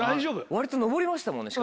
割と上りましたもんね。